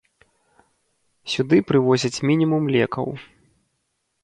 Сюды прывозяць мінімум лекаў.